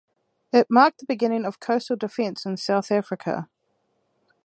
It marked the beginning of coastal defense in South Africa.